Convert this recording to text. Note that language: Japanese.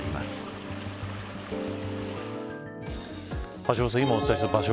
橋下さん、今お伝えした場所